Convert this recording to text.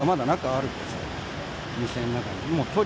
荷物がまだ中にあるんですよ。